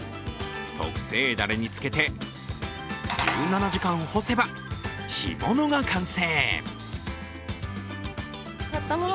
特製だれにつけて、１７時間干せば干物が完成。